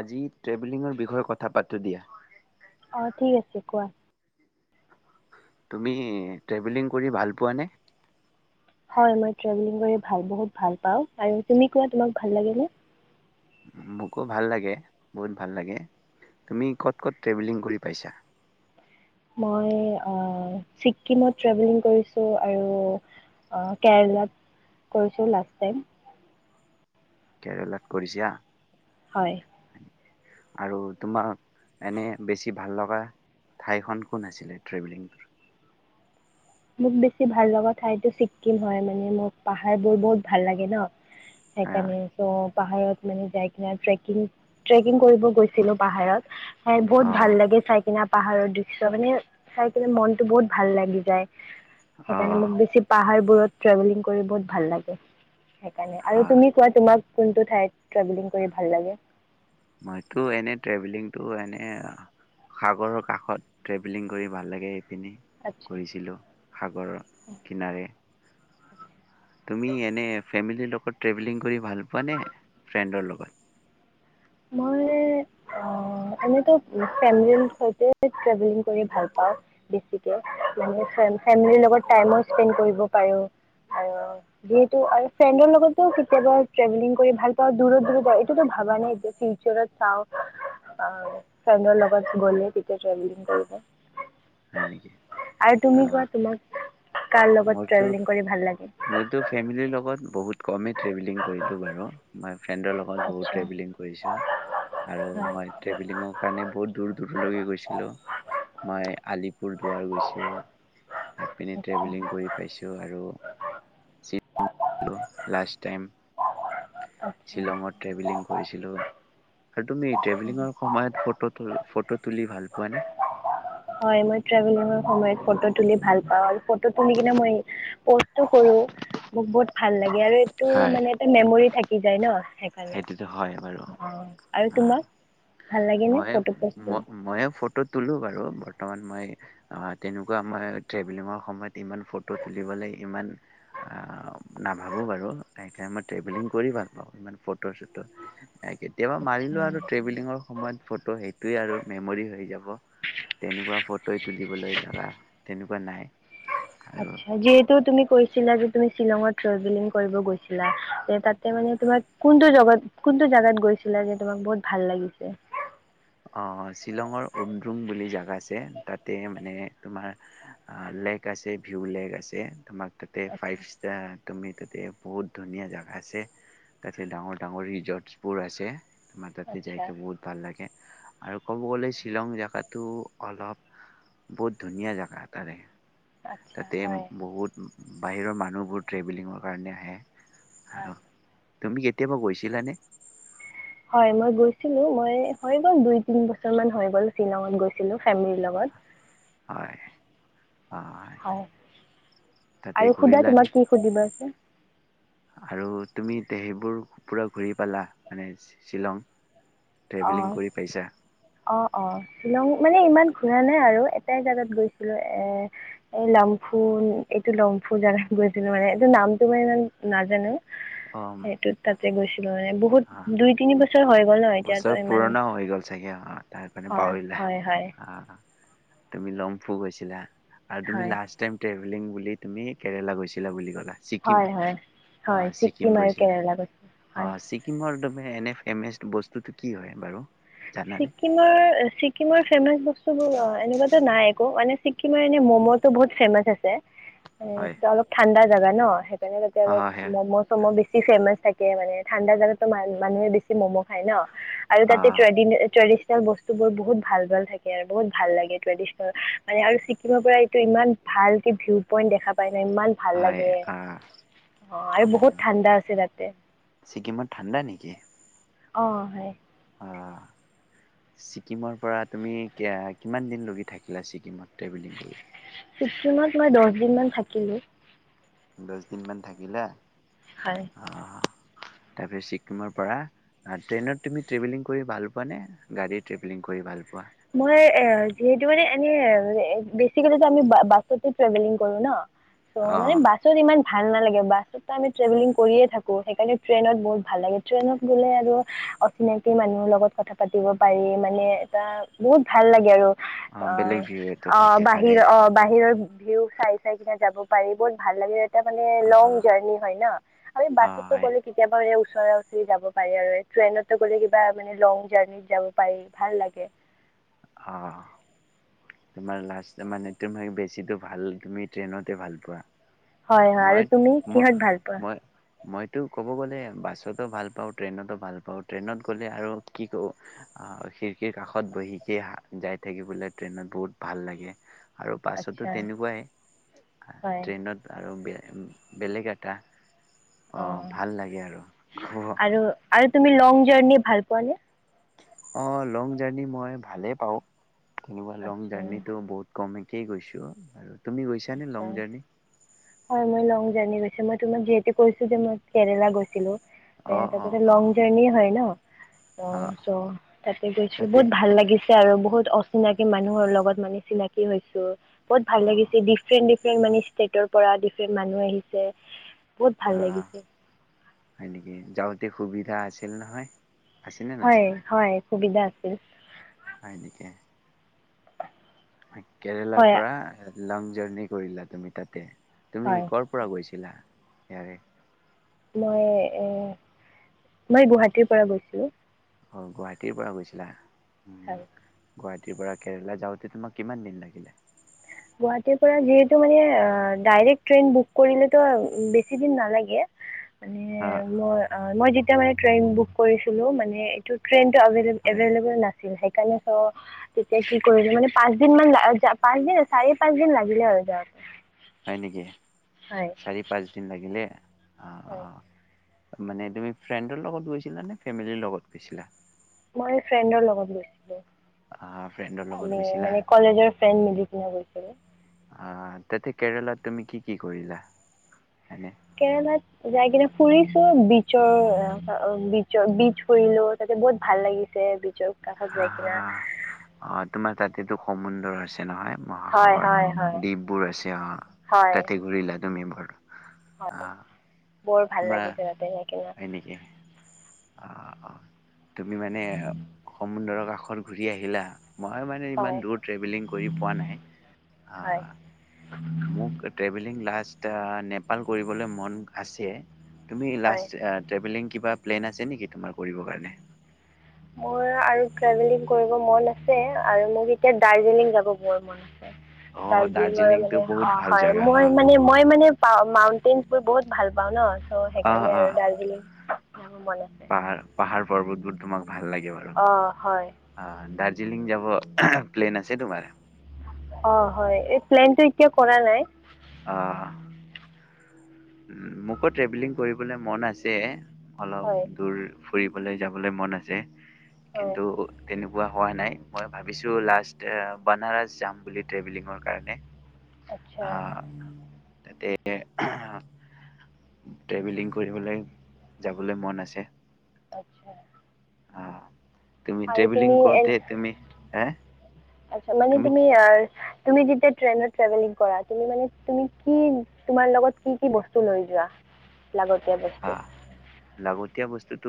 আজি ট্ৰেভেলিংৰ বিষয় কথা পাতোঁ দিয়া। অ ঠিক আছে, কোৱা। তুমি ট্ৰেভেলিং কৰি ভাল পোৱা নে? হয়, মই ট্ৰেভেলিং কৰি ভাল বহুত ভাল পাওঁ আৰু তুমি কোৱা, তোমক ভাল লাগে নে? মোকো ভাল লাগে, বহুত ভাল লাগে, তুমি ক'ত-ক'ত ট্ৰেভেলিং কৰি পাইছা? মই অ', ছিকিমত ট্ৰেভেলিং কৰিছোঁ আৰু কেৰেলাত কৰিছোঁ লাষ্ট টাইম। কেৰেলাত কৰিছা? হয়। আৰু তোমাক এনেই বেছি ভাল লগা ঠাইখন কোন আছিলে, ট্ৰেভেলিংৰ? মোক বেছি ভাল লগা ঠাইতো ছিকিম হয় মানে, মোক পাহাৰবোৰ বহুত ভাল লাগে ন। হয়, সেইকানে চব পাহাৰত মানে যায় কেনে ট্ৰেকিং-ট্ৰেকিং কৰিব গৈছিলোঁ পাহাৰত চাইডবোৰ ভাল অ', লাগে চাইকেনে। [unintelligible] পাহাৰৰ দৃশ্য, মানে চাইকেনে মনটো বহুত ভাল লাগি যায়। সেইকাৰণে অ', মোক বেছি পাহাৰ বোৰত ট্ৰেভেলিং কৰি বহুত ভাল লাগে। সেইকাৰণে আৰু হয়। তুমি কোৱা তোমাক কোনটো ঠাইত ট্ৰেভেলিং কৰি ভাল লাগে? মইটো এনেই ট্ৰেভেলিংটো এনেই সাগৰৰ কাষত ট্ৰেভেলিং কৰি ভাল লাগে। এনেই আচ্ছা কৰিছিলোঁ সাগৰৰ কিনাৰে। তুমি এনেই ফামেলিৰ লগত ট্ৰেভেলিং কৰি ভাল পোৱা নে ফ্ৰেণ্ডৰ লগত? মই অ, এনেইটো [unintelligible] ট্ৰেভেলিং কৰি ভালপাওঁ বেছিকে ফে, ফেমিলীৰ লগত টাইমো স্পেণ্ড কৰিব পাৰোঁ আৰু যিহেতু আৰু ফ্ৰেণ্ডৰ লগতো কেতিয়াবা ট্ৰেভেলিং কৰি ভালপাওঁ দূৰত-দূৰত হয়, এইটোতো ভাবা নাই এতিয় [unintelligible] চাওঁ, অ ফেমিলী লগত গ'লে কেতিয়াবা ট্ৰেভেলিং কৰিব। হয় নেকি, আৰু তুমি অহ্, কোৱা তোমাক কাৰ লগত ট্ৰেভেলিং কৰি ভাল লাগে মইতো-মইতো ফেমিলীৰ লগত বহুত কমেই ট্ৰেভেলিং কৰিলোঁ বাৰু। ফ্ৰেণ্ডৰ লগত বহুত আচ্ছা ট্ৰেভেলিং কৰিছোঁ আৰু হয় ট্ৰেভেলিংৰ কাৰণে বহুত দূৰ দূৰলৈও গৈ ছিলোঁ, মই আলিপুৰ দুৱাৰ গৈছোঁ। এপিনে আচ্ছা ট্ৰেভেলিং কৰি পাইছোঁ আৰু শ্বিলং [unintelligible] লাষ্ট টাইম। আচ্ছা হয় শ্বিলংত ট্ৰেভেলিং কৰিছিলোঁ। আৰু তুমি ট্ৰেভেলিংৰ সময়ত ফ'টো তো, ফ'টো তুলি ভাল পোৱা নে? হয় মই ট্ৰেভেলিঙৰ সময়ত ফটো তুলি ভাল পাও আৰু ফটো তুলি কিনে মই পষ্টো কৰো মোক বহুত ভাল লাগে ইয়াৰে টো হয় মানে এটা মেমৰি থাকি যায় ন। সেইকাৰণে সেইটোতো হয় বাৰু অঁ আৰু অ তোমাক ভাল লাগেনে মই ফটো প'ষ্ট কৰি ম মই ফটো তলো বাৰু বৰ্তমান মই আ তেনেকুৱা মই ট্ৰেভেলিংৰ সময়ত ইমান ফটো তুলিবলৈ ইমান নাভাবো বাৰু তাতকে মই ট্ৰেভেলিং কৰি ভাল পাওঁ ইমান ফটো ফটো- চটো এই কেতিয়াবা আচ্ছা মাৰিলো আৰু ট্ৰেভেলিঙৰ সময়ত, ফটো সেইটোৱে আৰু মেমৰি হৈ যাব, তেনেকুৱা ফটো তুলিবলৈ জ্বালা তেনেকুৱা নাই। আৰু আচ্ছা যিহেতু তুমি কৈছিলা যে তুমি শ্বিলঙত ট্ৰেভেলিং কৰিব গৈছিলা, যে তাতে মানে তোমাৰ কোনটো যাগাত কোনটো যাগাত গৈছিলা যে তোমাৰ ভাল লাগিছে। অ শ্বিলঙৰ উমদ্ৰুং বুলি জাগা আছে তাতে মানে তোমাৰ লেক আছে ভিউ লেক আছে তোমাক তাতে আচ্ছা ফাইভ ষ্টাৰ, তুমি তাতে বহুত ধুনীয়া জাগা আছে তাতে ডাঙৰ ডাঙৰ ৰিজৰ্টছ বোৰ আছে তোমাৰ তাত আচ্ছা যাই কে বহুত ভাল লাগে, আৰু ক'ব গ'লে শ্বিলং জাগাতো অলপ বহুত ধুনীয়া জাগা তাৰে। আচ্ছা তাতে হয় বহুত বাহিৰৰ মানুহবোৰ ট্ৰেভেলিঙৰ কাৰণে আহে হয় আৰু তুমি কেতিয়াবা গৈছিলানে হয় মই গৈছিলো মই হৈ গ'ল দুই তিন ব ফেমেলী লগত। আ হয় তাতে আৰু সোধা ঘূৰিলা তোমাক নে? কি সুধিব আছে আৰু তুমি তে এইবোৰ পূৰা ঘূৰি পালা মানে শ্বিলং? ট্ৰেভেলিং অ' কৰি পাইছা অ' অ' শ্বিলং মানে ইমান ঘুৰা নাই আৰু এটাই জোগাত গৈছিলো এ এই লমফু এইটো লমফু জোগাত গৈছিলো মানে এইটো নামটো মানে ইমান নাজানো। সেইটো তাতে গৈছোঁ। হয় বহুত দুই তিনি অ বছৰ হৈ গ'ল ন। এতিয়াতো বছৰ ইমান পুৰণা হৈ গ'ল চাগে অ' তাৰ কাৰণে হয় পাহৰিলা। হয় হয় আহ তুমি লংফু গৈছিলা। আৰু তুমি হয় লাষ্ট টাইম টেভ ফুৰিম বুলি তুমি কেৰেলা গৈছিলা বুলি ক' হয় হয় হয় ছিকিম আৰু কেৰেলা কছে হয়। হৰদমে এনেফ এম এছ বস্তুতটো কি হয় বাৰু জানানে ছিকিমৰ ছিকিমৰ ফেমাচ বস্তুবোৰএনেকুৱাতো নাই একো, মানে ছিকিমৰ এনে ম'মটো বহুত ফেমাচ আছে এ হয় এটু ওলপ ঠাণ্ডাৰ জাগা ন সেইটো [unintelligible] অ সেয়া সেইয়া মানে, ঠাণ্ডা জেগাটটো মান-মানুহে বেছি ম'ম' খাই ন। আৰু অ তাতে জই ট্ৰেডিচনেল বস্তুবোৰ বহুত ভাল ভাল থাকে আৰু বহুত ভাল লাগে ট্ৰেডিচনেল, মানে আৰু ছিকিমৰ পৰা এইটো ইমান ভালকে ভিউ পইণ্ট দেখা পাইছে। ইমান ভাল হয় লাগে। অ অ আৰু বহুত ঠাণ্ডা আছে তাতে। ছিকিমত ঠাণ্ডা নেকি অ' হয়। অ', ছিকিমৰ পৰা তুমি কিআ-কিমান দিনলৈকে থাকিলা ছিকিমত? ট্ৰেভেলিং কৰি ছিকিমত মই দহ দিনমান থাকিলোঁ। দচদিনমান থাকিলা? হয়। অ তাৰপিছত ছিকিমৰ পৰা, ট্ৰেইনত তুমি ট্ৰেভেলিং কৰি ভাল পোৱানে, গাড়ী ট্ৰেভেলিং কৰি ভাল পোৱা? মই, এ যিহেতু মানে এনে এ বেচিকেলিটো আমি বা-বাছতে ট্ৰেভেলিং কৰোঁ ন। চ' অ মানে বাছত ইমান ভাল নালাগে, বাছত তাৰমানে ট্ৰেভেলিং কৰিয়ে থাকোঁ। সেইকাৰণে ট্ৰেইনত বহুত ভাল লাগে, ট্ৰেইনত গ'লে আৰু অচিনাকি মানুহৰ লগত কথা পাতিব পাৰি, মানে এটা বহুত ভাল লাগে আৰু। অ', বেলেগ ভিউ এটা অ', থাকে তাৰে বাহিৰ অ', বাহিৰৰ ভিউ চাই চাই কেনে যাব পাৰি, বহুত ভাল লাগে তাৰমানে অ লং জাৰ্নি হয় ন, আমি অ বাছতটো হয় গ'লে কেতিয়াবা এয়া ছয় উঠি যাব পাৰে আৰু এই ট্ৰেইনতটো গ'লে কিবা মানে লং জাৰ্নিত যাব পাৰি, ভাল লাগে। অ', তোমাৰ লাষ্ট মানে, তুমি বেছিতো ভাল তুমি ট্ৰেইনতে ভাল পোৱা। হয় হয় আৰু মই তুমি মই কিহত ভাল পোৱা? মই মইতো ক'ব গ'লে বাছতো ভাল পাওঁ, ট্ৰেইনতো ভাল পাওঁ, ট্ৰেইনত গ'লে আৰু কি কওঁ, আ খিৰিকীৰ কাষত বহি যি হা, যাই থাকিবলৈ ট্ৰেইনত বহুত ভাল লাগে। আৰু বাছতো আচ্ছা তেনেকুৱাই, আ হয় ট্ৰেইনত আৰু বে উম, বেলেগ এটা অ', অঁ ভাল লাগে আৰু আৰু আৰু তুমি লং জাৰ্নি ভাল পোৱানে? অ', লং জাৰ্নি মই ভালেই পাওঁ। এনেকুৱা লং আচ্ছা জাৰ্নিটো বহুত কমেই তেই গৈছোঁ, আৰু তুমি গৈছানে লং আচ্ছা, জাৰ্ণি? হয় মই লং জাৰ্নি গৈ ছো, মই তোমাক যিহেতু কৈছোঁ, যে মই কেৰেলা গৈছিলো। তে, অ', তাতেটো অ', লং অ', জাৰ্নিয়ে হয় ন। অ', চ' তাতে গৈছোঁ, তাতে বহুত ভাল লাগি তে আৰু বহুত অচিনাকি মানুহৰ লগত মানে চিনাকি হৈছোঁ। বহুত ভাল লাগিছ অ', ডিফৰেণ্ট ডিফৰেণ্ট মানে ষ্টেটৰ পৰা ডিফৰেণ্ট মানুহ আহিছে। বহুত ভাল অ', লাগিছে হয় নিকি? যাওঁতে সুবিধা আছিল নহয়। আছেনে হয়, নাছিল? হয়, সুবিধা আছিল। নেকি হয়, কেৰেলাৰ হয় পৰা আহে লং জাৰ্নি কৰিলা তুমি তাতে। তুমি হয় ক'ৰ পৰা গৈছিলা? ইয়াৰে মই এ, মই গুৱাহাটীৰ পৰা গৈছোঁ। অ', গুৱাহাটীৰ পৰা গৈছিলা? হয়। গুৱাহাটীৰ পৰা কেৰেলা যাওঁতে তোমাক কিমান দিন লাগিলে? গুৱাহাটীৰ পৰা যিহেতু মানে ডাইৰেক্ট ট্ৰেইন বুক কৰিলেটো বেছি দিন নালাগে, মানে অ', মই, মই যেতিয়া মানে ট্ৰেইন বুক কৰিছিলোঁ, মানে এইটো ট্ৰেইন এইটো আভিলএভে, হয়, এভেইলেৱেল নাছিল, সেই তেতিয়া কি কৰিলোঁ মানে পাঁচ দিন মান লাগি, আ পাঁচ দিন আছি চাৰি, পাঁচ দিন লাগিলে আৰু যাওঁতে। হয় নিকি, হয় চাৰি-পাঁচ দিন লাগিলে? হয়। আহ মানে তুমি ফ্ৰেণ্ডৰ লগত গৈছিলা নে ফেমিলি লগত গৈছিলা? মই ফ্ৰেণ্ডৰ লগত আহ ফ্ৰেণ্ডৰ গৈছিলোঁ। লগত আমি গৈছিলা মানে কলেজৰ ফ্ৰেণ্ড মিলি কেনে গৈছিলোঁ। আ, তাতে কেৰেলাত তুমি কি কি কৰিলা? এনে কেৰেলাত যায় কেনে ফুৰিছোঁ, বিছৰ, আ, বিছৰ-বিছ ফুৰিলোঁ, তাতে বহুত ভাল লাগিছে। বিছৰ কাষত যায় কেনে। টো সমুন্দৰ আছে নহয়। মহাসাগৰ, হয় হয় দ্বীপ বোৰ আছে, অ', হয় তাতে ঘূৰিলা? তুমি বৰ হয় আ বৰ ভাল তোমাৰ, লাগিছে তাতে যাই কিনে হয় নেকি? অ', অ', তুমি মানে সমুন্দৰৰ কাষ ঘৰ ঘূৰি আহিলা? মই মানে ইমান হয় দূৰ ট্ৰেভেলিং কৰি পোৱা নাই, আ হয় মোক ট্ৰেভেলিং লাষ্ট নেপাল কৰিবলৈ মন আছে। তুমি হয় লাষ্ট আ -ট্ৰেভেলিং কিবা প্লেন আছে নেকি তোমাৰ কৰিবৰ কাৰণে। মোৰ আৰু ট্ৰেভেলিং কৰিব মন আছে, আৰু মোৰ [unintelligible] দাৰ্জিলিং যাব বৰ মন আছ অ' দাৰ্জিলিঙৰ দাৰ্জিলিংটো মানে বহুত অ ভাল হয় জাগা ন। মই মানে-মই মানে পা মাউনটেইন বোৰ বহুত ভাল পাওঁ ন। ত অ' সেইকাৰণে আৰু অ' দাৰ্জিলিং, যাব মন আছে। পাহাৰ পাহাৰ পৰ্বতবোৰ তোমাক ভাল লাগে অঁ হয় বাৰু। জিলিং যাব প্লেন আছে তোমাৰ? অ হয় এই প্লেন টো এতিয়া কৰা নাই। অ', উ মোকো ট্ৰেভেলিং কৰিবলৈ মন আছে। অলপ হয় দূৰ ফুৰিবলৈ যাবলৈ মন আছে। হয় কিন্তু, তেনে কোৱা হোৱা নাই। মই ভাৱিছো লাষ্ট বানাৰস যাম বুলি ট্ৰেভেলিঙৰ কাৰণে। আচ্ছা। আহ তাতে এ ট্ৰেভেলিং কৰিবলৈ যাবলৈ মন আছে। আচ্ছা। আহ তুমি আৰু ট্ৰেভেলিং তুমি এ কৰোতে তুমি হা মানে তুমি আ তুমি যেতিয়া ট্ৰেইনত ট্ৰেভেলিং কৰা তুমি মানে- তুমি কি তোমাৰ লগত কি কি বস্তু লৈ যোৱা। লাগতিয়া বস্তু। এতিয়া বস্তুতটো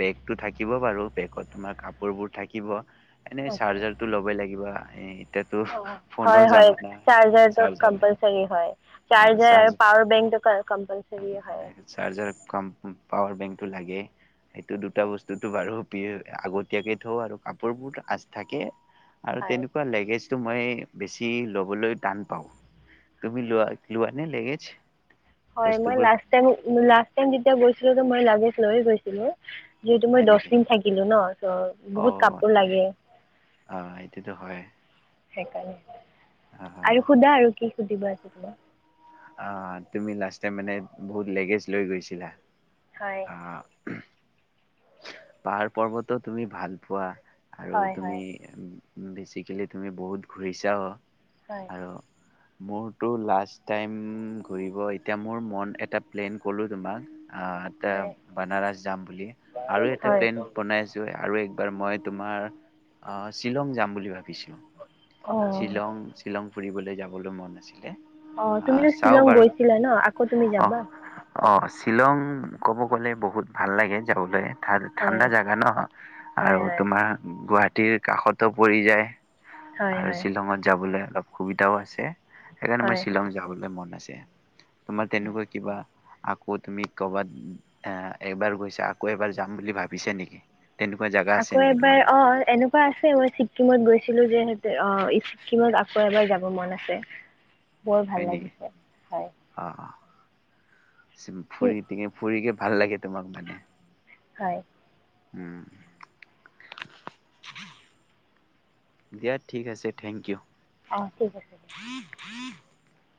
বেগতটো থাকিব বাৰু বেগত তোমাৰ কাপোৰবোৰ থাকিব এনেই আচ্ছা চাৰ্জাৰ টো ল'বই লাগিবা। এই হয় হয় চাৰ্জাৰটো চাৰ্জাৰ নাই। কম্পালচাৰী হয়। অ চাৰ্জাৰ চাৰ্জ আৰু পাৱাৰ বেংকটো ক কম্পালচৰি হয়। চাৰ্জাৰ কাম পাৱাৰ বেংক টো লাগে। সেইটো দুটা আচ্ছা বস্তুটো বাৰু দিও, আগতীয়াকে থওঁ আৰু। কাপোৰবোৰ আচ থাকে। আৰু হয় তেনেকুৱা লেগেজ মই বেছি লবলৈ টান পাওঁ, তুমি লোৱা লোৱানে লেগেছ। হয়, মই লাষ্ট টাই লাষ্ট টাইম যেতিয়া গৈছিলোঁ মই লাগেজ লৈ গৈছিলোঁ। যিহেতু মই হয় দহ নেকি দিন থাকিলোঁ ন, চৌ অ বহুত কাপোৰ তে লাগে, অ এইটোতো হয় সেইকাৰণে। আৰু সোধা? আৰু কি সুধিব আছে, তোমাৰ? অ, তুমি লাষ্ট টাইম মানে বহুত লেগেজ লৈ গৈছিলা। হয় আঃ। পাহাৰ পৰ্বতো তুমি ভাল পোৱা। আৰু হয় তুমি হয় উম বেচিকেলি তুমি বহুত ঘূৰিছা অ'। আৰু মোৰতো লাষ্ট টাইম ঘূৰিব এতিয়া মোৰ মন এটা প্লেন ক'লো তোমাক। অ, তে হয় বনাৰস যাম বুলি। আৰু হয় এটা হয় প্লেন বনাছো আৰু এক বাৰ মই তোমাৰ অ' শ্বিলং যাম বুলি ভাবিছোঁ। [inaudible] শ্বিলং-শ্বিলং ফুৰিবলৈ যাবলৈ মন আছিল। অ তুমিতো শ্বিলং গৈছিলা ন, আকৌ তুমি অ যাবা? অ, শ্বিলং ক'ব গ'লে বহুত ভাল লাগে যাবলৈ। ভাল হয় ঠাণ্ডা জাগা ন হয় আৰু হয় তোমাৰ গুৱাহা টীৰ কাষতো পৰি যায়। হয় আৰু হয় শ্বিলংত যাবলৈ অলপ সুবিধাও আছে। সেইকাৰণে মই হয় শ্বিলং যাবলৈ মন আছে। তোমাৰ তেনেকুৱা কিবা? আকৌ তুমি ক'ৰবাত এ এবাৰ গৈছা, আকৌ এবাৰ যাম বুলি ভাবিছা নেকি? তেনেকুৱা জাগা আছে আকৌ নেকি তোমাৰ এবাৰ অ এনেকুৱা আছে, মই ছিকিমত গৈছিলোঁ যে অ, ছিকিমত আকৌ এবাৰ যাব মন আছে। বৰ হয় ভাল নেকি লাগিছে, হয়। চিম ঠিক ফুৰি টিঙে ফুৰি কেপ [unintelligible] হয়। [unintelligible] দিয়া ঠিক‌ আছে, থেংক ইউ। [unintelligible] [unintelligible]